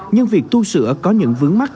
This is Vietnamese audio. nhưng việc tu sửa có những vướng mắt